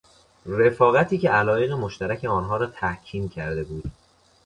رفاقتی که علایق مشترک آن را تحکیم کرده بود